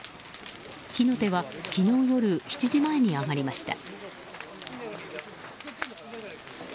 火の手は昨日夜７時前に上がりました。